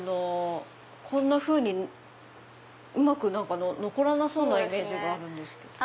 こんなふうにうまく残らなそうなイメージがあるんですけど。